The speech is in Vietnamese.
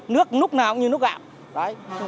nước lúc nào cũng như nước gạo